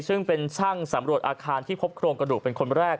ซึ่งเป็นช่างสำรวจอาคารที่พบโครงกระดูกเป็นคนแรก